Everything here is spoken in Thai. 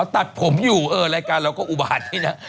อ๋อตัดผมอยู่แรงการเราก็อุบาทนี้นะ